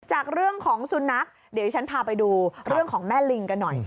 จากเรื่องของสุนัขเดี๋ยวที่ฉันพาไปดูเรื่องของแม่ลิงกันหน่อย